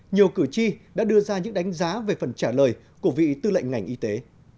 nhiều cử tri đã đưa ra những đánh giá về phần trả lời của vị tư lệnh ngành y tế